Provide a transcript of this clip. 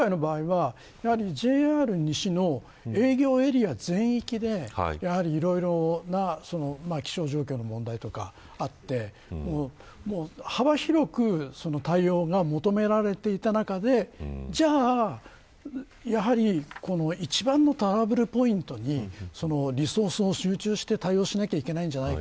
ただ、今回の場合は、ＪＲ西の営業エリア全域でいろいろな気象状況の問題とかあって幅広く対応が求められていた中でじゃあ、やはり一番のトラブルポイントにリソースを集中して対応しなきゃいけないんじゃないか。